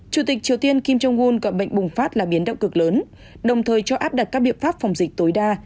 chủ tịch triều tiên kim jong un gọi bệnh bùng phát là biến động cực lớn đồng thời cho áp đặt các biện pháp phòng dịch tối đa